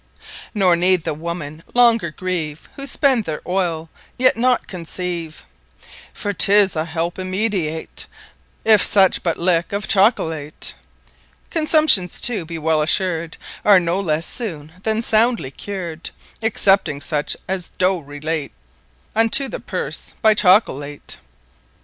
Nor need the Women longer grieve Who spend their Oyle, yet not conceive, For 'tis a Helpe Immediate, If such but Lick of Chocolate. Consumptions too (be well assur'd) Are no lesse soone then soundly cur'd: (Excepting such as doe Relate Unto the Purse) by Chocolate.